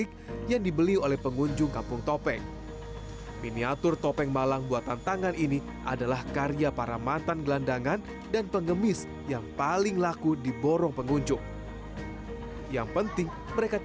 kampung topeng jawa timur